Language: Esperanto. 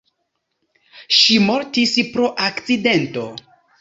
Ŝi mortis pro akcidento.